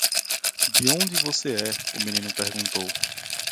"De onde você é?" o menino perguntou.